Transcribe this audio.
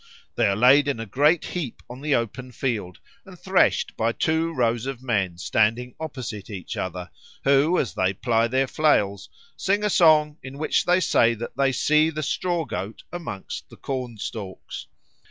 They are laid in a great heap on the open field and threshed by two rows of men standing opposite each other, who, as they ply their flails, sing a song in which they say that they see the Straw goat amongst the corn stalks.